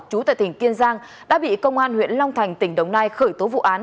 chú tại tỉnh kiên giang đã bị công an huyện long thành tỉnh đồng nai khởi tố vụ án